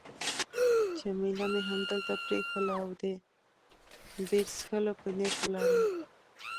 جميله مې همدلته پرېښووله او د بیر څښلو په نیت ولاړم.